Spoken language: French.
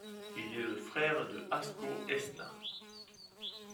Il est le frère de Asko Esna.